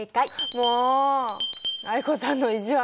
もう藍子さんの意地悪。